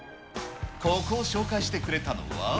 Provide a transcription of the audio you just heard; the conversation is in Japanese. ここを紹介してくれたのは。